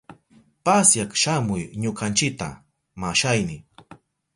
Pasyak shamuy ñukanchita, mashayni.